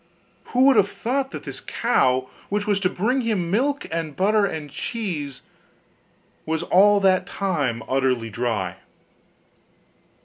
Who would have thought that this cow, which was to bring him milk and butter and cheese, was all that time utterly dry?